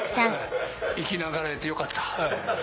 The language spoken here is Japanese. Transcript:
生き永らえてよかった。